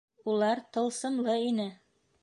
Улар тылсымлы ине.